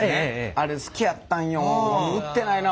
あれ好きやったんよ。